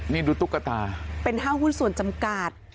นี่ดูตุ๊กตาเป็นห้างหุ้นส่วนจำกัด